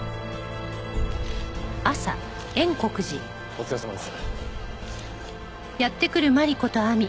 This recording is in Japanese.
お疲れさまです。